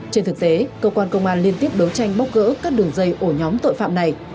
trên thực tế cơ quan công an liên tiếp đấu tranh bóc gỡ các đường dây ổ nhóm tội phạm này